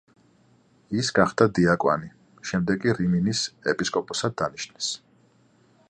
ის გახდა დიაკვანი, შემდეგ კი რიმინის ეპისკოპოსად დანიშნეს.